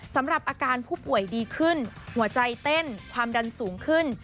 สำหรับอาการผู้ป่วยดีขึ้นหัวใจเต้นความดันสูงขึ้น